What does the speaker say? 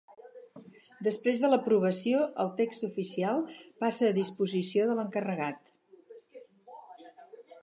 Després de l'aprovació, el text oficial passa a disposició de l'encarregat.